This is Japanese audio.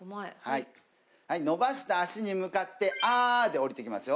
伸ばした足に向かって、あーで下りてきますよ。